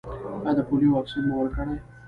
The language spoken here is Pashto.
ایا د پولیو واکسین مو ورکړی؟